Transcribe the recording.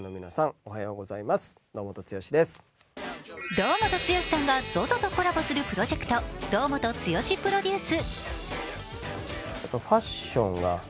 堂本剛さんがＺＯＺＯとコラボするプロジェクト、堂本剛プロデュース。